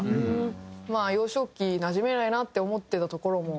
まあ幼少期なじめないなって思ってたところもあったので。